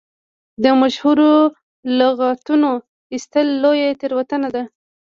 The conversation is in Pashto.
د مشهورو لغتونو ایستل لویه تېروتنه ده.